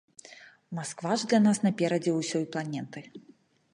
Масква ж для нас наперадзе ўсёй планеты.